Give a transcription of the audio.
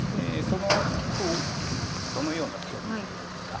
そのあとどのような手を見ているか。